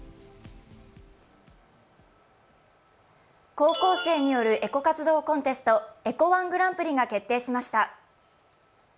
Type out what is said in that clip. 高校生によるエコ活動コンテスト、エコワングランプリが決定しました。